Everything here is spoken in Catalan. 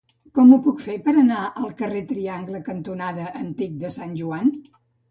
Com ho puc fer per anar al carrer Triangle cantonada Antic de Sant Joan?